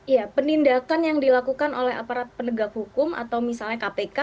ya penindakan yang dilakukan oleh aparat penegak hukum atau misalnya kpk